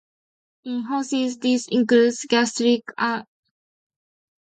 In horses, this includes gastric ulcers, right dorsal colitis, and nephrotoxicity.